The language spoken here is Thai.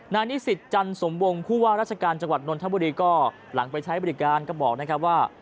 นิสิตจันสมวงผู้ว่าราชการจังหวัดนนทบุรีก็หลังไปใช้บริการก็บอกนะครับว่า